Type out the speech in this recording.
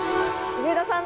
上田さん。